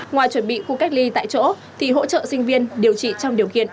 ngoài chuẩn bị khu cách ly tại chỗ thì hỗ trợ sinh viên điều trị trong điều kiện